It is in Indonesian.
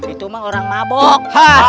itu mah orang mabok